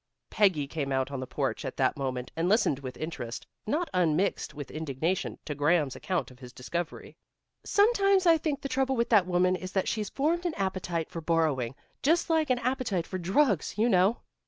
Peggy came out on the porch at that moment, and listened with interest, not unmixed with indignation, to Graham's account of his discovery. "Sometimes I think the trouble with that woman is that she's formed an appetite for borrowing, just like an appetite for drugs, you know."